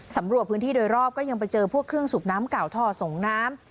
สำรวจพื้นที่โดยรอบก็ยังไปเจอพวกเครื่องสูบน้ำเก่าท่อส่งน้ำ